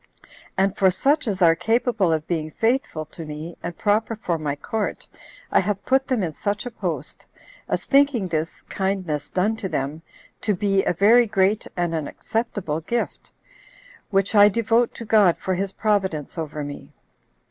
And for such as are capable of being faithful to me, and proper for my court, I have put them in such a post, as thinking this [kindness done to them] to be a very great and an acceptable gift, which I devote to God for his providence over me.